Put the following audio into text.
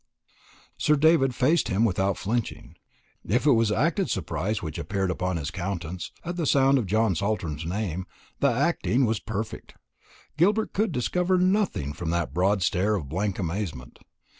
Sir David faced him without flinching. If it was acted surprise which appeared upon his countenance at the sound of John Saltram's name, the acting was perfect. Gilbert could discover nothing from that broad stare of blank amazement.